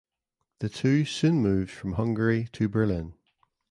The two soon moved from Hungary to Berlin.